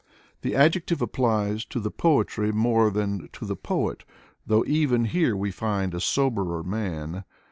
The adjective applies to the poetry more than to the poet, though even here we find a soberer man.